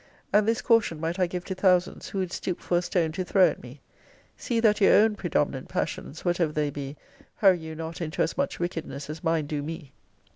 And this caution might I give to thousands, who would stoop for a stone to throw at me: 'See that your own predominant passions, whatever they be, hurry you not into as much wickedness as mine do me.